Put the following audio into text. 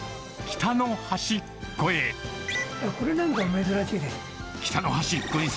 これなんかも珍しいです。